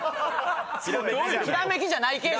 ひらめきじゃない系じゃ